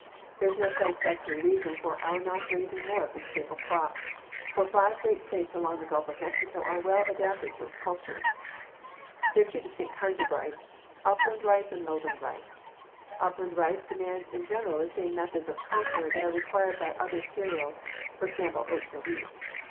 There is no satisfactory reason for our not raising more of this staple crop, for five great states along the Gulf of Mexico are well adapted to its culture. [Illustration: FIG. 221. THRESHING RICE] There are two distinct kinds of rice, upland rice and lowland rice. Upland rice demands in general the same methods of culture that are required by other cereals, for example, oats or wheat.